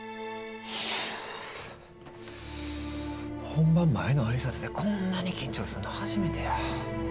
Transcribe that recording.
本番前のあいさつでこんなに緊張するの初めてや。